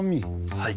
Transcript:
はい。